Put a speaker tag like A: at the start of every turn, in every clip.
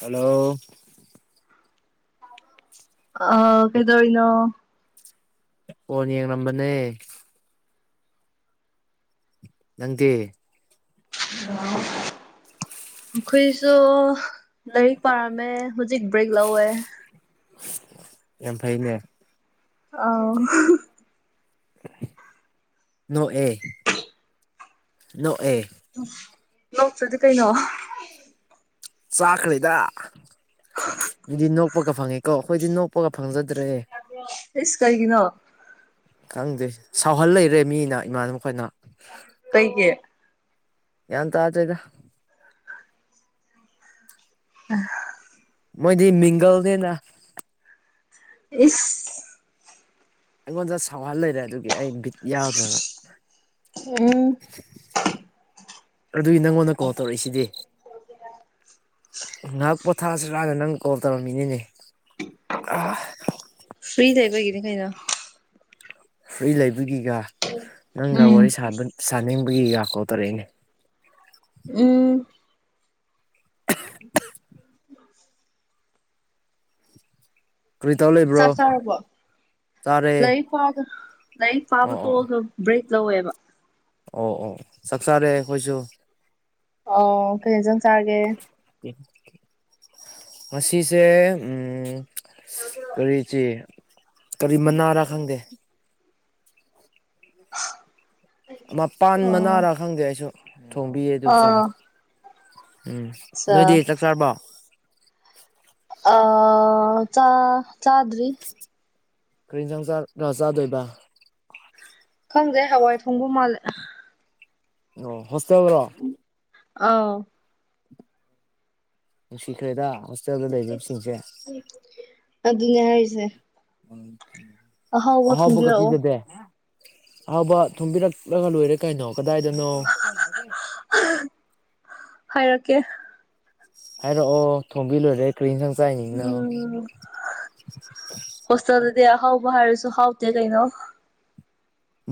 A: Hello
B: ꯑꯥ ꯀꯩꯗꯧꯔꯤꯅꯣ
A: phone ꯌꯦꯡ ꯂꯝꯕꯅꯦ ꯅꯪꯗꯤ
B: ꯑ [unintelligible] ꯑꯩꯈꯣꯏꯁꯨ ꯂꯥꯏꯔꯤꯛ ꯄꯥꯔꯝꯃꯦ ꯍꯧꯖꯤꯛ ꯕ꯭ꯔꯦꯛ ꯂꯧꯋꯦ
A: ꯌꯥꯝ ꯐꯩꯅꯦ
B: ꯑꯧ
A: ꯅꯣꯛꯑꯦ ꯅꯣꯛꯑꯦ
B: ꯅꯣꯛꯇ꯭ꯔꯗꯤ ꯀꯩꯅꯣ
A: ꯆꯥꯛꯈ꯭ꯔꯦꯗ ꯃꯤꯗꯤ ꯅꯣꯛꯄꯒ ꯐꯪꯉꯦ ꯀꯣ ꯑꯩꯈꯣꯏꯗꯤ ꯅꯣꯛꯄꯒ ꯐꯪꯖꯗ꯭ꯔꯦ
B: ꯏꯁ ꯀꯔꯤꯒꯤꯅꯣ
A: ꯈꯪꯗꯦ ꯁꯥꯎꯍꯜ ꯂꯩꯔꯦ ꯃꯤꯅ ꯏꯃꯥꯅꯕ ꯈꯣꯏꯅ
B: ꯀꯩꯒꯤ
A: ꯒꯌ꯭ꯥꯟ ꯇꯥꯗꯦꯗꯥ
B: ꯑ [unintelligible]
A: ꯃꯣꯏꯗꯤ ꯃꯤꯡꯒꯜꯅꯦꯅ
B: ꯏꯁ
A: ꯑꯩꯉꯣꯟꯗ ꯁꯥꯎꯍꯜ ꯂꯩꯔꯦ ꯑꯗꯨꯒꯤ ꯑꯩ ꯕꯤꯠ ꯌꯥꯎꯗ꯭ꯔꯕ
B: ꯎꯝ
A: ꯑꯗꯨꯏ ꯅꯪꯉꯣꯟꯗ ꯀꯣꯜ ꯇꯧꯔꯛꯏꯁꯤꯗꯤ ꯉꯥꯏꯍꯥꯛ ꯄꯣꯊꯥꯁꯤꯔꯥꯅ ꯅꯪ ꯀꯣꯜ ꯇꯧꯔꯝꯃꯤꯅꯤꯅꯦ
B: ꯐꯔꯤ ꯂꯩꯕꯒꯤꯅꯦ ꯀꯩꯅꯣ
A: ꯐꯔꯤ ꯂꯩꯕꯒꯤꯒ ꯅꯪꯒ
B: ꯎꯝ
A: ꯋꯥꯔꯤ ꯁꯥꯕ ꯁꯥꯅꯤꯡꯕꯒꯤꯒ ꯀꯣꯜ ꯇꯧꯔꯛꯏꯅꯦ
B: ꯎꯝ [unintelligible] [unintelligible]
A: ꯀꯔꯤ ꯇꯧ ꯂꯩꯕ꯭ꯔꯣ
B: ꯆꯥꯛ ꯆꯥꯔꯕꯣ
A: ꯆꯥꯔꯦ
B: ꯂꯩ ꯋꯥꯏꯗ ꯂꯥꯏꯔꯤꯛ ꯄꯥꯕ
A: ꯑꯣ ꯑꯣ
B: ꯇꯣꯛꯑꯒ ꯕ꯭ꯔꯦꯛ ꯂꯧꯋꯦꯕ
A: ꯑꯣ ꯑꯣ ꯆꯥꯛ ꯆꯥꯔꯦ ꯑꯩꯈꯣꯏꯁꯨ
B: ꯑꯧ ꯀꯩ ꯑꯦꯟꯁꯥꯡ ꯆꯥꯔꯒꯦ
A: ꯉꯁꯤꯁꯦ ꯎꯝ ꯀꯔꯤꯁꯤꯦ [unintelligible] ꯀꯔꯤ ꯃꯅꯥꯔꯥ ꯈꯪꯗꯦ ꯑꯃ ꯄꯥꯟ
B: ꯑꯣ
A: ꯃꯅꯥꯔꯥ ꯈꯪꯗꯦ ꯑꯩꯁꯨ ꯊꯣꯡꯕꯤꯌꯦ ꯑꯗꯨ ꯆꯥꯏ
B: ꯑꯥ
A: ꯎꯝ
B: ꯆꯥ
A: ꯅꯣꯏꯗꯤ ꯆꯥꯛ ꯆꯥꯔꯕꯣ
B: ꯑ ꯆꯥ ꯆꯥꯗ꯭ꯔꯤ
A: ꯀꯔꯤ ꯌꯦꯟꯁꯥꯡ ꯆꯥ ꯆꯥꯗꯣꯏꯕ
B: ꯈꯪꯗꯦ ꯍꯋꯥꯏ ꯊꯣꯡꯕ ꯃꯥꯜꯂꯦ
A: ꯎꯝ ꯍꯣꯁꯇꯦꯜ ꯔꯣ
B: ꯑꯥꯎ
A: ꯅꯨꯡꯁꯤꯈ꯭ꯔꯦꯗ ꯍꯣꯁꯇꯦꯜꯗ ꯂꯩꯕꯤꯕꯁꯤꯡꯁꯦ
B: ꯑꯗꯨꯅꯦ ꯍꯥꯏꯔꯤꯁꯦ
A: ꯎꯝ
B: ꯑꯍꯥꯎꯕ
A: ꯑꯍꯥꯎꯕꯒꯥ
B: ꯊꯣꯡꯕꯤꯔꯛꯑꯣ
A: ꯄꯤꯖꯗꯦ ꯑꯍꯥꯎꯕ ꯊꯣꯡꯕꯤꯔꯛꯂꯒ ꯂꯣꯏꯔꯦ ꯀꯩꯅꯣ ꯀꯗꯥꯏꯗꯅꯣ
B: ꯍꯥ ꯍꯥꯏꯔꯛꯀꯦ
A: ꯍꯥꯏꯔꯛꯑꯣ ꯊꯣꯡꯕꯤꯗꯣꯏꯅꯦ ꯀ꯭ꯔꯤ ꯑꯦꯟꯁꯥꯡ ꯆꯥꯏꯅꯤꯅꯣ
B: ꯍꯥ ꯍꯣꯁꯇꯦꯜꯗꯗꯤ ꯑꯍꯥꯎꯕ ꯍꯥꯏꯔꯁꯨ ꯍꯥꯎꯇꯦ ꯀꯩꯅꯣ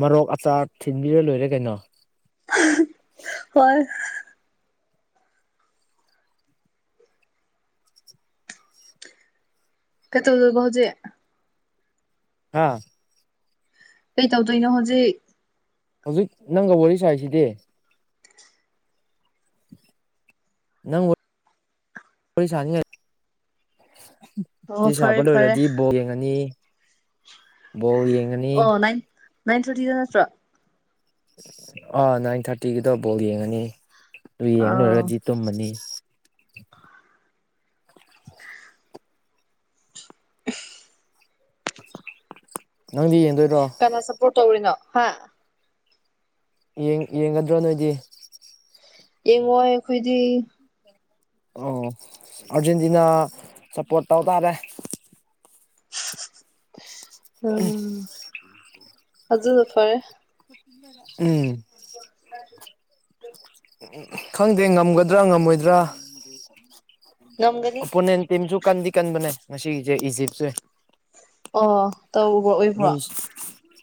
A: ꯃꯔꯣꯛ ꯑꯆꯥꯔ ꯊꯤꯟꯕꯤꯔ ꯂꯣꯏꯔꯦ ꯀꯩꯅꯣ
B: ꯍꯥ ꯍꯥ ꯍꯣꯏ ꯀꯠꯇꯧꯔꯤꯕ ꯍꯧꯖꯤꯛ
A: ꯍꯥꯥ
B: ꯀꯩ ꯇꯧꯗꯣꯏꯅꯣ ꯍꯧꯖꯤꯛ
A: ꯍꯧꯖꯤꯛ ꯅꯪꯒ ꯋꯥꯔꯤ ꯁꯥꯏꯁꯤꯗꯤ ꯅꯪ ꯁꯅꯤ
B: ꯑꯣ
A: ꯆ ꯁꯥꯕ
B: ꯐꯔꯦ ꯐꯔꯦ
A: ꯂꯣꯏꯔꯗꯤ ꯕꯣꯛ ꯌꯦꯡꯉꯅꯤ ꯕꯣ
B: ꯑꯣꯏꯟ ꯏꯟ ꯊꯔꯇꯤꯗ ꯅꯠꯇ꯭ꯔꯣ
A: ꯑꯥ ꯅꯥꯏꯟ ꯊꯥꯔꯇꯤꯒꯤꯗꯣ ꯕꯣꯜ ꯌꯦꯡꯉꯅꯤ ꯑꯗꯨ ꯌꯦꯡꯂ
B: ꯑꯥ
A: ꯂꯨꯔꯒꯗꯤ ꯇꯨꯝꯃꯅꯤ ꯅꯪꯗꯤ ꯌꯦ
B: ꯀꯅꯥ ꯁꯞꯄꯣꯔꯠ ꯇꯧꯔꯤꯅꯣ ꯍꯥ
A: ꯌꯦ ꯌꯦꯡꯒꯗ꯭ꯔꯣ ꯅꯣꯏꯗꯤ
B: ꯌꯦꯡꯉꯣꯏ ꯑꯩꯈꯣꯏꯗꯤ
A: ꯑꯣ ꯑꯥꯔꯖꯦꯟꯇꯤꯅꯥ ꯁꯞꯄꯣꯔꯠ ꯇꯧ ꯇꯥꯔꯦ [unintelligible]
B: ꯎꯝ ꯑꯗꯨꯖꯁꯨ ꯐꯔꯦ
A: ꯎꯝ ꯎ ꯈꯪꯗꯦ ꯉꯝꯒꯗ꯭ꯔꯥ ꯉꯝꯃꯣꯏꯗ꯭ꯔꯥ
B: ꯉꯝꯒꯅꯤ
A: ꯑꯣꯄꯣꯅꯦꯟ ꯇꯤꯝꯁꯨ ꯀꯟꯗꯤ ꯀꯟꯕꯅꯦ ꯉꯁꯤꯁꯦ ꯏꯖꯤꯞꯁꯦ
B: ꯑꯣ ꯇꯧꯕ꯭ꯔ ꯑꯣꯏꯕ꯭ꯔꯣ
A: ꯃꯤ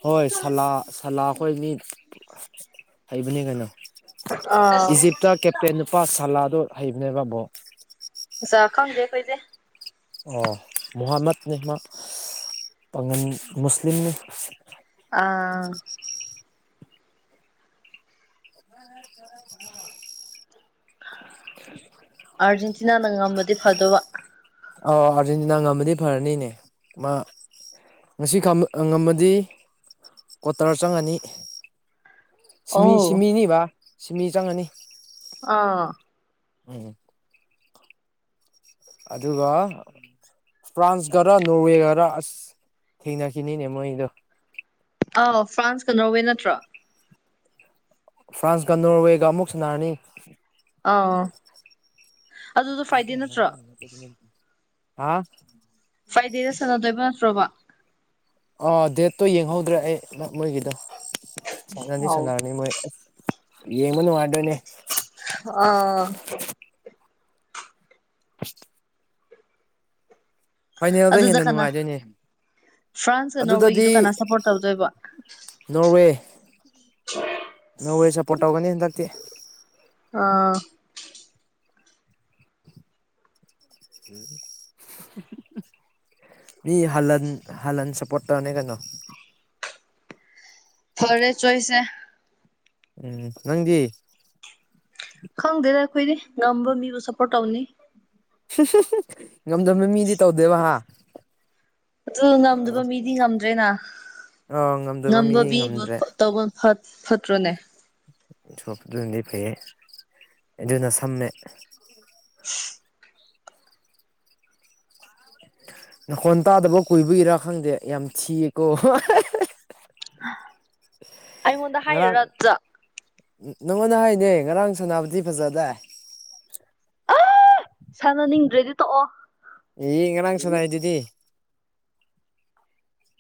A: ꯍꯣꯏ ꯁꯂꯥ ꯁꯂꯥꯈꯣꯏ ꯃꯤ ꯍꯩꯕꯅꯤ ꯀꯩꯅꯣ
B: ꯑꯥ
A: ꯏꯖꯤꯞꯇ ꯀꯦꯞꯇꯦꯟ ꯅꯨꯄꯥ ꯁꯥꯂꯥꯗꯣ ꯍꯩꯕꯅꯦꯕꯕꯣ
B: ꯆ ꯈꯪꯗꯦꯈꯣꯏꯗꯦ
A: ꯑꯣ ꯃꯣꯍꯥꯃꯠꯅꯤ ꯃꯥ ꯄꯥꯒꯟ ꯃꯨꯁꯂꯤꯝꯅꯤ
B: ꯑꯥ
A: ꯑ
B: ꯑꯥꯔꯖꯦꯟꯇꯤꯅꯥꯅ ꯉꯃꯗꯤ ꯐꯗꯕ
A: ꯑ ꯑꯥꯔꯖꯦꯟꯇꯤꯅꯥ ꯉꯝꯃꯗꯤ ꯐꯔꯅꯤꯅꯦ ꯃꯥ ꯉꯁꯤ ꯉꯝꯃꯗꯤ ꯀ꯭ꯋꯥꯇꯔ ꯆꯪꯉꯅꯤ ꯁꯤꯃꯤ
B: ꯑꯣ
A: ꯁꯤꯃꯤ ꯅꯤ ꯕ ꯁꯤꯃꯤ ꯆꯪꯉꯅꯤ
B: ꯑꯥ
A: ꯎꯝ ꯑꯗꯨꯒ ꯐ꯭ꯔꯥꯟꯁ ꯈꯔ ꯅꯣꯔꯋꯦꯒꯔ ꯑꯁ ꯊꯦꯡꯅꯈꯤꯅꯤꯅꯦ ꯃꯣꯏꯗꯣ
B: ꯑ ꯐ꯭ꯔꯥꯟꯁꯀ ꯅꯧꯋꯦ ꯅꯠꯇ꯭ꯔꯣ
A: ꯐ꯭ꯔꯥꯟꯁꯀ ꯅꯣꯔꯋꯦꯒ ꯑꯃꯨꯛ ꯁꯥꯟꯅꯔꯅꯤ
B: ꯑꯥ ꯑꯗꯨꯗꯣ ꯐ꯭ꯔꯥꯏꯗꯦ ꯅꯠꯇ꯭ꯔꯣ
A: [unintelligible]
B: ꯐ꯭ꯔꯥꯏꯗꯦꯗ ꯁꯥꯟꯅꯗꯣꯏꯕ ꯅꯠꯇ꯭ꯔꯣꯕ
A: ꯑꯥ ꯗꯦꯠꯇꯣ ꯌꯦꯡꯍꯧꯗ꯭ꯔꯦ ꯑꯩ ꯃꯣꯏꯒꯤꯗꯣ ꯁꯅꯗꯤ
B: ꯑꯥꯎ
A: ꯁꯥꯟꯅꯔꯅꯤ ꯃꯣꯏ ꯌꯦꯃꯅ ꯃꯥꯣꯅꯦ
B: ꯑꯥ
A: ꯑꯁ ꯐꯥꯏꯅꯦꯜꯗ
B: ꯑꯗꯨꯗ
A: ꯍꯦꯟꯅ
B: ꯀꯅꯥ
A: ꯅꯨꯡꯉꯥꯏꯗꯣꯏꯅꯦ
B: ꯐ꯭ꯔꯥꯟꯁꯀ
A: ꯑꯗꯨꯗꯗꯤ
B: ꯅꯣꯔꯋꯦꯒꯤꯗꯣ ꯀꯅꯥ ꯁꯞꯄꯣꯔꯠ ꯇꯧꯗꯣꯏꯕ
A: ꯅꯣꯔꯋꯦ ꯅꯣꯔꯋꯦ ꯁꯞꯄꯣꯔꯠ ꯇꯧꯒꯅꯤ ꯍꯟꯗꯛꯇꯤ
B: ꯑꯥ
A: ꯃꯤ ꯍꯜꯍꯟ ꯍꯜꯍꯟ ꯁꯞꯄꯣꯔꯠ ꯇꯧꯔꯅꯦ ꯀꯩꯅꯣ
B: ꯐꯔꯦ ꯆꯣꯏꯁꯦ
A: ꯎꯝ ꯅꯪꯗꯤ
B: ꯈꯪꯗꯦꯗ ꯑꯩꯈꯣꯏꯗꯤ ꯉꯝꯕ ꯃꯤꯕꯨ ꯁꯞꯄꯣꯔꯠ ꯇꯧꯅꯤ
A: ꯉꯝꯗꯝꯃꯦ ꯃꯤꯗꯤ ꯇꯧꯗꯦꯕ ꯍꯥ
B: ꯑꯗꯨ ꯉꯝꯗꯕ ꯃꯤꯗꯤ ꯉꯝꯗ꯭ꯔꯦꯅ
A: ꯑꯥ ꯉꯝꯗꯕ ꯃꯤ
B: ꯉꯝꯕ ꯃꯤꯕꯨ
A: ꯉꯝꯗ꯭ꯔꯦ
B: ꯇꯧꯕ ꯍꯠ ꯐꯠꯇ꯭ꯔꯣꯅꯦ?
A: ꯁꯞ ꯗꯨꯅꯗꯤ ꯐꯩꯌꯦ ꯑꯗꯨꯅ ꯁꯝꯃꯦ꯫
B: [unintelligible]
A: ꯅꯥꯈꯣꯟ ꯇꯥꯗꯕ ꯀꯨꯏꯕꯒꯤꯔꯥ ꯈꯪꯗꯦ ꯌꯥꯝ ꯊꯤꯌꯦꯀꯣ [unintelligible]
B: ꯑꯩꯉꯣꯟꯗ
A: ꯉꯔꯥꯡ
B: ꯍꯥꯏꯔꯤꯔꯗ
A: ꯅꯪꯉꯣꯟꯗ ꯍꯥꯏꯅꯦ ꯉꯔꯥꯡ ꯁꯅꯥꯕꯗꯤ ꯐꯖꯗꯥꯏ꯫
B: ꯁꯥꯟꯅꯅꯤꯡꯗ꯭ꯔꯦꯗꯤ ꯇꯣꯛꯑꯣ꯫
A: ꯑꯦ ꯉꯔꯥꯡꯁꯅꯥꯏ ꯗꯨꯗꯤ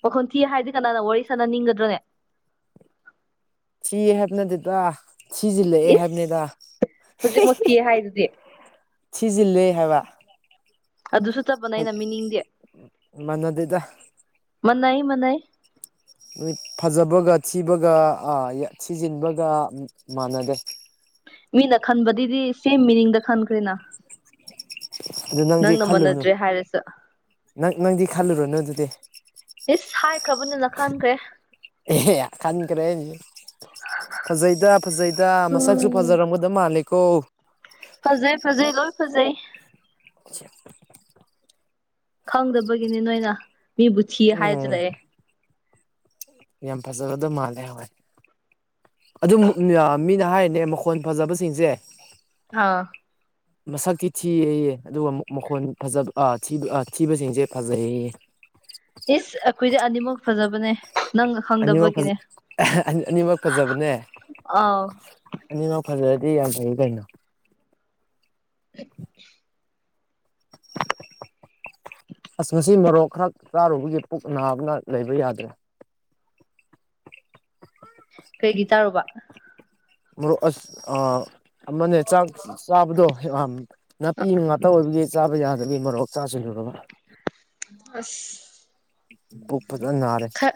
B: ꯃꯈꯣꯟ ꯊꯤ ꯍꯥꯏꯗꯤ ꯀꯅꯥꯅ ꯋꯥꯔꯤ ꯁꯥꯟꯅꯅꯤꯡꯒꯗ꯭ꯔꯅꯦ꯫
A: ꯊꯤ ꯍꯥꯏꯕ ꯅꯠꯇꯦꯗ꯫ ꯊꯤꯖꯤꯜꯂꯑꯦ
B: ꯏꯁ
A: ꯍꯥꯏꯕꯅꯦꯗ
B: ꯍꯧꯖꯤꯛꯃꯛ ꯊꯤ ꯍꯥꯏꯗꯨꯗꯤ
A: ꯊꯤꯖꯤꯜꯂꯦ ꯍꯥꯏꯕ
B: ꯑꯗꯨꯁꯨ ꯆꯞꯃꯥꯅꯩꯅ ꯃꯤꯅꯤꯡꯗꯤ
A: ꯃꯥꯟꯅꯗꯦꯗ
B: ꯃꯅꯩ ꯃꯅꯩ
A: ꯑꯣꯏ ꯐꯖꯕꯒ ꯊꯤꯕꯒ ꯑ ꯌ ꯊꯤꯖꯤꯟꯕꯒ ꯃꯥꯟꯅꯗꯦ
B: ꯃꯤꯅ ꯈꯟꯕꯗꯤꯗꯤ ꯁꯤ ꯃꯤꯅꯤꯡꯗ ꯈꯟꯈ꯭ꯔꯦꯅ꯫
A: ꯑꯗꯨ ꯅꯪꯗꯤ
B: ꯅꯪꯅ
A: ꯈꯜꯂꯨꯅꯨ
B: ꯃꯥꯟꯅꯗ꯭ꯔꯦ ꯍꯥꯏꯔꯁꯨ
A: ꯅꯪ ꯅꯪꯗꯤ ꯈꯜꯂꯨꯔꯅꯨ ꯑꯗꯨꯗꯤ꯫
B: ꯏꯁ ꯍꯥꯏꯈ꯭ꯔꯕꯅꯤꯅ ꯈꯟꯈ꯭ꯔꯦ
A: ꯑꯦꯌꯥ ꯈꯟꯈ꯭ꯔꯦꯅꯦ ꯐꯖꯩꯗ ꯐꯖꯩꯗ ꯃꯁꯛꯁꯨ ꯐꯖꯔꯝꯒꯗꯃ ꯃꯥꯜꯂꯦꯀꯣ
B: ꯐꯖꯩ ꯐꯖꯩ ꯂꯣꯏ ꯐꯖꯩ
A: [unintelligible]
B: ꯈꯪꯗꯕꯒꯤꯅꯤ ꯅꯣꯏꯅ ꯃꯤꯕꯨ ꯊꯤꯌꯦ
A: ꯎꯝ
B: ꯍꯥꯏꯗꯂꯩꯑꯦ
A: ꯌꯥꯝ ꯐꯖꯕꯗ ꯃꯥꯜꯂꯦ ꯍꯣꯏ ꯑꯗꯨꯝ ꯃꯨꯛ ꯃꯤꯌ ꯃꯤꯅ ꯍꯥꯏꯔꯤꯅꯦ ꯃꯈꯣꯟ ꯐꯖꯕꯁꯤꯡꯁꯦ
B: ꯑꯥ
A: [inaudible] ꯃꯁꯛꯇꯤ ꯊꯤꯌꯦꯌꯦ ꯑꯗꯨꯒ ꯃꯈꯣꯟ ꯐꯖꯕ ꯑ ꯊꯤꯕ ꯑ ꯊꯤꯕꯁꯤꯡꯁꯦ ꯐꯖꯩꯌꯦꯌꯦ
B: ꯏꯁ ꯑꯩꯈꯣꯏꯗꯤ ꯑꯅꯤꯃꯛ ꯐꯖꯕꯅꯦ ꯅꯪꯅ
A: ꯑꯅꯤꯃꯛ ꯐꯖ
B: ꯈꯪꯗꯕꯒꯤꯅꯦ
A: ꯑꯍ ꯑꯅꯤꯃꯛ ꯐꯖꯕꯅꯦ
B: ꯑꯥꯎ
A: ꯑꯅꯤꯃꯛ ꯐꯖꯔꯗꯤ ꯌꯥꯝ ꯐꯩ ꯀꯩꯅꯣ
B: [unintelligible] [inaudible]
A: ꯑꯁ ꯉꯁꯤ ꯃꯔꯣꯛ ꯈꯔ ꯆꯥꯔꯨꯕꯒꯤ ꯄꯨꯛ ꯅꯥꯕꯅ ꯂꯩꯕ ꯌꯥꯗ꯭ꯔꯦ
B: ꯀꯩꯒꯤ ꯆꯥꯔꯨꯕ
A: ꯃꯔꯣꯛ ꯑꯁ ꯑ ꯑꯃꯅꯦ ꯆꯥꯛ ꯆꯥꯕꯗꯣ ꯑꯥꯝ ꯅꯥꯄꯤ ꯉꯥꯛꯇ ꯑꯣꯏꯕꯒꯤ ꯆꯥꯕ ꯌꯥꯗꯕꯩ ꯃꯔꯣꯛ ꯆꯥꯁꯤꯜꯂꯨꯔꯕ
B: ꯑꯁ
A: ꯄꯨꯛ ꯐꯖꯟ ꯅꯥꯔꯦ
B: ꯑ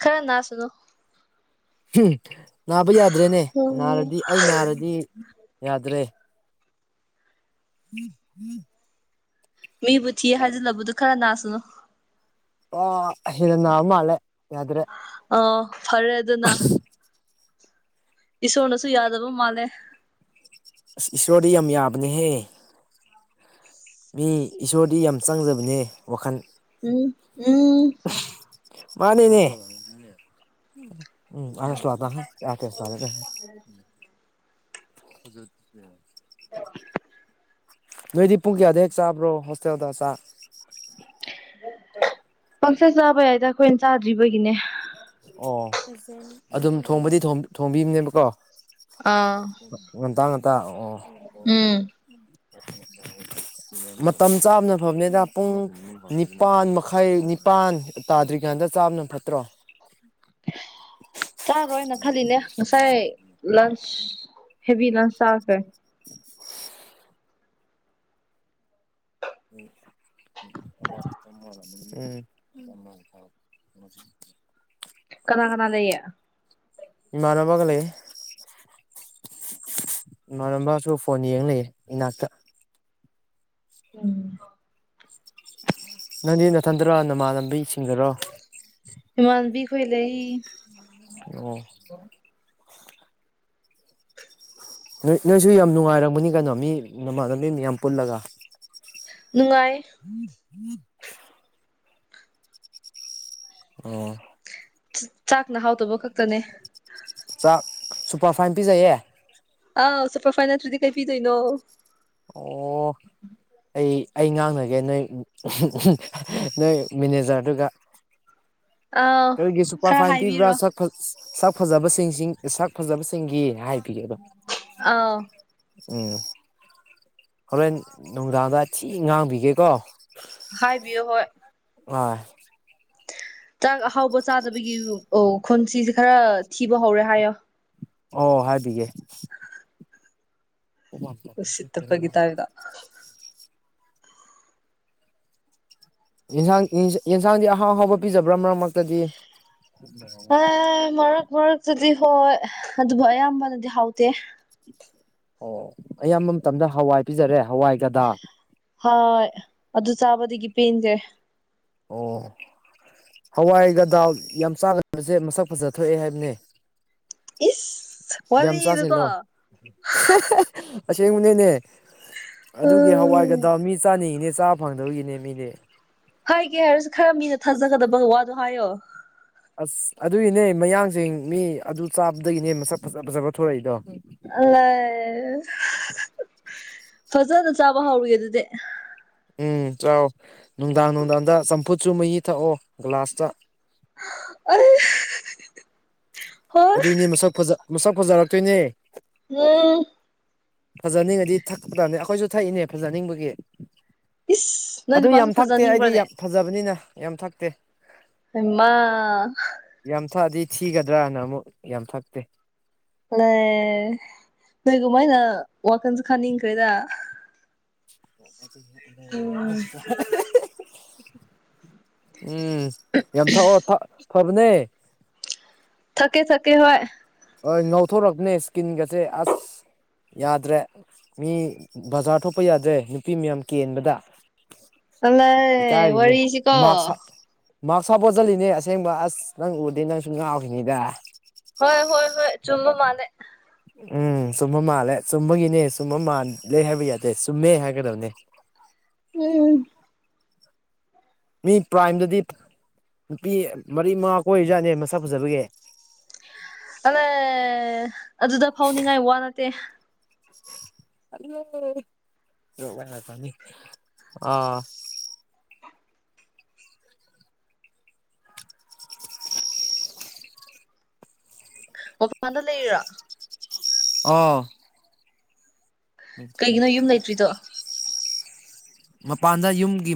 B: ꯈꯔ ꯅꯥꯁꯅꯣ
A: ꯍꯝ ꯅꯥꯕ ꯌꯥꯗ꯭ꯔꯦꯅꯦ ꯅꯥꯔꯗꯤ ꯑꯩ ꯅꯥꯔꯗꯤ ꯌꯥꯗ꯭ꯔꯦ [unintelligible]
B: ꯃꯤꯕꯨ ꯊꯤ ꯍꯥꯏꯖꯤꯜꯂꯕꯗꯨ ꯈꯔ ꯅꯥꯁꯅꯨ
A: ꯑꯣ ꯍꯦꯟꯅ ꯅꯥ ꯃꯥꯜꯂꯦ ꯌꯥꯗ꯭ꯔꯦ
B: ꯑ ꯐꯔꯦ ꯑꯗꯨꯅ ꯏꯁꯣꯔꯅꯁꯨ ꯌꯥꯗꯕ ꯃꯥꯜꯂꯦ
A: ꯑꯁ ꯏꯁꯣꯔꯗꯤ ꯌꯥꯝ ꯌꯥꯕꯅꯦꯍꯦ ꯃꯤ ꯏꯁꯣꯔꯗꯤ ꯌꯥꯝ ꯆꯪꯖꯕꯅꯦ ꯋꯥꯈꯟ
B: ꯎꯝ ꯎꯝ
A: ꯃꯥꯅꯤꯅꯦ ꯎꯝ [unintelligible]
B: [unintelligible]
A: [unintelligible] ꯅꯣꯏꯗꯤ ꯄꯨꯡ ꯀꯌꯥꯗꯩ ꯆꯥꯕ꯭ꯔꯣ ꯍꯣꯁꯇꯦꯜꯗ ꯆ
B: ꯄꯪꯆꯥ ꯆꯥꯕ ꯌꯥꯏꯗ ꯑꯩꯈꯣꯏꯅ ꯆꯥꯗ꯭ꯔꯤꯕꯒꯤꯅꯦ
A: ꯑꯣ ꯑꯗꯨꯝ ꯊꯣꯡꯕꯗꯤꯊꯣꯝ ꯊꯣꯝꯕꯤꯅꯦꯕꯀꯣ
B: ꯑꯥ
A: ꯉꯟꯇꯥ ꯉꯟꯇꯥ ꯑꯣ
B: ꯎꯝ
A: ꯃꯇꯝ ꯆꯥꯝꯅ ꯐꯕꯅꯦꯗ ꯄꯨꯡ ꯅꯤꯄꯥꯥꯟ ꯃꯈꯥꯏ ꯅꯤꯄꯥꯟ ꯇꯥꯗ꯭ꯔꯤꯀꯥꯟꯗ ꯆꯥꯕꯅ ꯐꯠꯇ꯭ꯔꯣ [inaudible]
B: ꯆꯥꯔꯣꯏꯅ ꯈꯜꯂꯤꯅꯦ ꯉꯁꯥꯏ ꯂꯟꯁ ꯍꯦꯕꯤ ꯂꯟꯁ ꯆꯥꯈꯔꯦ
A: [unintelligible]
B: ꯀꯅꯥ ꯀꯅꯥ ꯂꯩ
A: ꯏꯥꯟꯕꯥꯒ ꯂꯩꯦ ꯏꯃꯝꯕꯁꯨ ꯐꯣꯟ ꯌꯦꯡ ꯂꯩꯑꯦ ꯏꯅꯥꯛꯇ
B: ꯎꯝ
A: ꯅꯪꯗꯤ ꯅꯥꯊꯟꯗꯔꯣ ꯅꯃꯥꯟ ꯂꯝꯕꯤ ꯁꯤꯡꯗꯔꯣ
B: ꯏꯃꯥꯟꯕꯤꯈꯣꯏ ꯂꯩ
A: ꯑꯣ ꯅꯣꯏ ꯅꯣꯏꯁꯨ ꯌꯥꯝ ꯅꯨꯡꯉꯥꯏꯔꯝꯝꯕꯅꯤ ꯀꯩꯅꯣ ꯃꯤ ꯅꯃꯗ ꯃꯤ ꯃ ꯌꯥꯝ ꯄꯨꯜꯂꯒ
B: ꯅꯨꯡꯉꯥꯏ
A: ꯎꯝ ꯎꯝ ꯑꯣ
B: ꯆꯥꯛꯅ ꯍꯥꯎꯗꯕ ꯈꯛꯇꯅꯦ
A: ꯆꯥꯛ ꯁꯨꯄꯔ ꯐꯥꯏꯟ ꯄꯤꯖꯩꯌꯦ
B: ꯑꯥ ꯁꯨꯄꯔ ꯐꯥꯏꯟ ꯅꯠꯇ꯭ꯔꯗꯤ ꯀꯩ ꯄꯤꯗꯣꯏꯅꯣ
A: ꯑꯣ ꯑꯩ ꯑꯩ ꯉꯥꯡꯅꯒꯦ ꯅꯣꯏ ꯅꯣꯏ ꯃꯦꯅꯦꯖꯔꯗꯨꯒ
B: ꯑꯥꯎ
A: ꯀꯔꯤꯒꯤ ꯁꯨꯄꯔ
B: ꯈꯔ
A: ꯐꯥꯏꯟ ꯄꯤꯕ꯭ꯔꯥ
B: ꯍꯥꯏꯕꯤꯔꯣ
A: ꯁꯛ ꯁꯛ ꯐꯖꯕꯁꯤꯡ ꯁꯛ ꯐꯖꯕꯁꯤꯡꯒꯤ ꯍꯥꯏꯕꯤꯒꯦ ꯑꯗꯣ
B: ꯑꯥ
A: ꯎꯝ ꯍꯣꯔꯦꯟ ꯅꯨꯡꯗꯥꯡꯗ ꯊꯤ ꯉꯥꯡꯕꯤꯒꯦꯀꯣ
B: ꯍꯥꯏꯕꯤꯌꯨ ꯍꯣꯏ
A: ꯑ
B: ꯆꯥꯛ ꯑꯍꯥꯎꯕ ꯆꯥꯗꯕꯒꯤ ꯑꯣ ꯈꯨꯟꯁꯤꯁꯦ ꯈꯔ ꯊꯤꯕ ꯍꯧꯔꯦ ꯍꯥꯏꯌꯣ
A: ꯑꯣ ꯍꯥꯏꯒ
B: ꯎꯁꯤꯠꯇ ꯒꯤꯇꯥ ꯏꯗ
A: ꯌꯦꯟꯁꯥꯡ ꯌꯦꯟꯁꯥꯡꯗꯤ ꯑꯍꯥꯎ ꯑꯍꯥꯎꯕ ꯄꯤꯖꯕ꯭ꯔꯥ ꯃꯔꯛ ꯃꯔꯛꯇꯗꯤ
B: ꯑꯦ ꯃꯔꯛ ꯃꯔꯛꯇꯗꯤ ꯍꯣꯏ ꯑꯗꯨꯕꯨ ꯑꯌꯥꯝꯕꯅꯗꯤ ꯍꯥꯎꯇꯦ
A: ꯑꯣ ꯑꯌꯥꯝꯕ ꯃꯇꯝꯗ ꯍꯋꯥꯏ ꯄꯤꯖꯔꯦ ꯍꯋꯥꯏꯒꯗꯥ
B: ꯍꯣꯏ ꯑꯗꯨ ꯆꯥꯕꯗꯒꯤ ꯄꯦꯟꯁꯦ
A: ꯑꯣ ꯍꯋꯥꯏꯒꯗꯥꯜ ꯌꯥꯝ ꯆꯥꯒꯗꯕꯁꯦ ꯃꯁꯛ ꯐꯖ ꯊꯣꯛꯑꯦ ꯍꯥꯏꯕꯅꯦ
B: ꯏꯁ
A: ꯦꯝꯆꯥꯁꯦꯂꯣ
B: ꯋꯥꯔꯤꯗꯨꯀꯣ
A: ꯑꯁꯤꯁ ꯃꯅꯅꯦ ꯑꯗꯨꯒꯤ
B: ꯎꯝ
A: ꯍꯋꯥꯏꯒꯗ ꯃꯤ ꯆꯥꯅꯤꯡꯉꯤꯅꯦ ꯆꯥꯕ ꯐꯪꯗꯧꯒꯤꯅꯦ ꯃꯤꯅꯦ
B: ꯍꯥꯏꯒꯦ ꯍꯥꯏꯔꯁꯨ ꯈꯔ ꯃꯤꯅ ꯊꯥꯖꯒꯗꯕꯒꯤ ꯋꯥꯗꯣ ꯍꯥꯏꯌꯣ
A: ꯑꯁ ꯑꯗꯨꯒꯤꯅꯦ ꯃꯌꯥꯡꯁꯦ ꯃꯤ ꯑꯗꯨ ꯆꯥꯕꯗꯒꯤꯅꯦ ꯃꯁ ꯐꯖ ꯐꯖꯕ ꯊꯣꯔꯛꯏꯗꯣ
B: ꯂ ꯐꯖꯅ ꯆꯥꯕ ꯍꯧꯔꯤ ꯑꯗꯨꯗꯤ
A: ꯎꯝ ꯆꯥꯎ ꯅꯨꯡꯗꯥꯡ ꯅꯨꯡꯗꯥꯡꯗ ꯆꯝꯐꯨꯠꯁꯨ ꯃꯍꯤ ꯊꯛꯑꯣ ꯒ꯭ꯂꯥꯁꯇ
B: ꯑ
A: ꯑꯗꯨꯏꯅꯦ ꯃꯁꯛ ꯃꯁꯛ ꯐꯖꯔꯛꯇꯣꯏꯅꯦ
B: ꯎꯝ
A: ꯐꯖꯅꯤꯡꯉꯗꯤ ꯊꯛꯄꯇꯥꯕꯅꯦ ꯑꯩꯈꯣꯏꯁꯨ ꯊꯛꯏꯅꯦ ꯐꯖꯅꯤꯡꯕꯒꯤ
B: ꯏꯁ ꯅꯣꯏ
A: ꯑꯗꯨ
B: ꯅꯨꯄꯥꯁꯨ
A: ꯌꯥꯝ ꯊꯛꯇꯦ ꯑꯩꯗꯤ
B: ꯐꯖꯅꯤꯡꯕ꯭ꯔꯅꯦ
A: ꯌꯥꯝ ꯐꯖꯕꯅꯤꯅ ꯌꯥꯝ ꯊꯛꯇꯦ
B: ꯍꯩꯃꯥ
A: ꯌꯥꯝ ꯊꯛꯑꯗꯤ ꯊꯤꯒꯗ꯭ꯔꯥꯅ ꯑꯃꯨꯛ ꯌꯥꯝ ꯊꯛꯇꯦ
B: ꯑꯦ ꯅꯣꯏꯒꯨꯝꯃꯥꯏꯅ ꯋꯥꯈꯟꯁꯦ ꯈꯟꯅꯤꯡꯈ꯭ꯔꯦꯗ
A: ꯍꯦꯍꯦ
B: ꯎꯝ
A: [unintelligible] ꯎꯝ ꯌꯥꯝ ꯊꯛꯑꯣ ꯐꯕꯅꯦ
B: ꯊꯛꯀꯦ ꯊꯛꯀꯦ ꯍꯣꯏ
A: ꯍꯣꯏ ꯉꯧꯊꯣꯔꯛꯄꯅꯦ ꯁ꯭ꯀꯤꯟꯒꯁꯦ ꯑꯁ ꯌꯥꯗ꯭ꯔꯦ ꯃꯤ ꯕꯖꯥꯔ ꯊꯣꯛꯄ ꯌꯥꯗ꯭ꯔꯦ ꯅꯨꯄꯤ ꯃꯌꯥꯝ ꯀꯦꯟꯕꯗ
B: ꯑꯂꯦ
A: ꯏꯀꯥꯏꯔꯤꯅꯦ
B: ꯋꯥꯔꯤꯁꯤꯀꯣ
A: ꯃꯥꯥꯛꯁ ꯃꯥꯛꯁ ꯍꯥꯞꯄꯒ ꯆꯠꯂꯤꯅꯦ ꯑꯁꯦꯡꯕ ꯑꯁ ꯅꯪ ꯎꯗꯤ ꯅꯪꯁꯨ ꯉꯥꯎꯈꯤꯅꯤꯗ
B: ꯍꯣꯏ ꯍꯣꯏ ꯍꯣꯏ ꯆꯨꯝꯕ ꯃꯥꯜꯂꯦ
A: ꯎꯝ ꯆꯨꯝꯕ ꯃꯥꯜꯂꯦ ꯆꯨꯝꯕꯒꯤꯅꯦ ꯆꯨꯝꯕ ꯃꯥꯜꯂꯦ ꯍꯥꯏꯕ ꯌꯥꯗꯦ ꯆꯨꯝꯃꯦ ꯍꯥꯏꯒꯗꯕꯅꯦ
B: ꯎꯝ
A: ꯃꯤ ꯄ꯭ꯔꯥꯏꯝꯗꯗꯤ ꯅꯨꯄꯤ ꯃꯔꯤ ꯃꯉꯥ ꯀꯣꯏꯔꯤꯖꯥꯠꯅꯦ ꯃꯁꯛ ꯐꯖꯕꯒꯤ
B: ꯑꯂꯦ ꯑꯗꯨꯗ ꯐꯥꯎꯅꯤꯡꯉꯥꯏ ꯋꯥ ꯅꯠꯇꯦ
A: [inaudible] ꯍꯜꯂ ꯑꯥ [inaudible]
B: ꯃꯄꯥꯟꯗ ꯂꯩꯔꯤꯔꯣ
A: ꯑꯥ
B: ꯀꯩꯒꯤꯅꯣ ꯌꯨꯝ ꯂꯩꯇ꯭ꯔꯤꯗꯣ
A: ꯃꯄꯥꯟꯗ ꯌꯨꯝꯒꯤ